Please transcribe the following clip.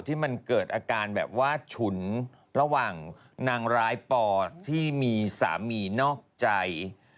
ที่มันเกิดอาการแบบว่าฉุนระหว่างนางร้ายปอที่มีสามีนอกใจ